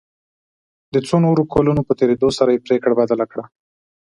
د څو نورو کلونو په تېرېدو سره یې پريکړه بدله کړه.